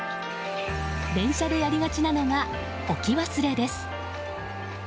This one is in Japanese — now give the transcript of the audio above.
電車でやりがちなのが置き忘れです。